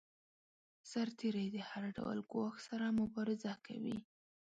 سرتیری د هر ډول ګواښ سره مبارزه کوي.